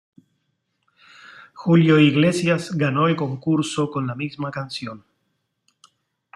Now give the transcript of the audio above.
Julio Iglesias ganó el concurso con la misma canción.